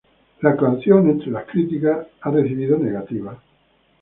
La canción ha recibido críticas negativas en sus criticas.